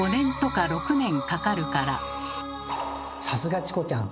さすがチコちゃん。